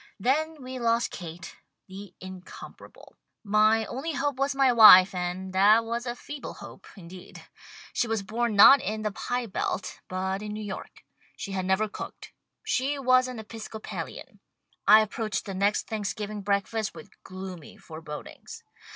Then we lost Kate, the incomparable. My only hope was my wife and that was a feeble hope, in THE STAG COOK BOOK deed. She was born not in the pie belt, but in New York. She had never cooked. She was an Episcopalian. I ap proached the next Thanksgiving breakfast with gloomy forebodings.